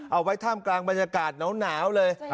เอาไว้ท่ามกลางบรรยากาศหนาวเลย